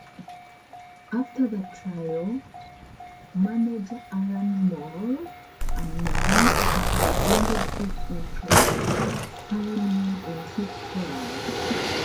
After the trial, manager Allan Moore announced he had ended his interest signing McCluskey.